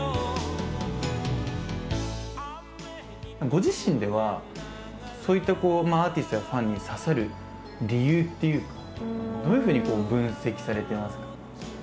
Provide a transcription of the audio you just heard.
ご自身ではそういったアーティストやファンに刺さる理由というかどういうふうに分析されていますか？